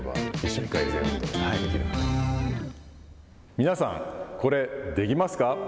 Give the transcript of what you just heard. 皆さん、これできますか。